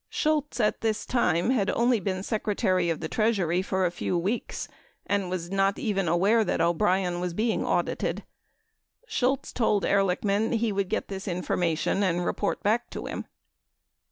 Shultz, at this time, had only been Secretary of the Treasury for a few weeks and was not even aware that O'Brien was being audited. Shultz told Ehrlichman he would get this information and report back to him.